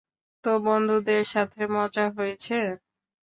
তো, বন্ধুদের সাথে মজা হয়েছে?